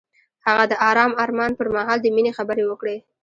هغه د آرام آرمان پر مهال د مینې خبرې وکړې.